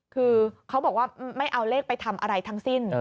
คือเขาบอกว่าไม่เอาเลขไปทำอะไรทั้งสิ้น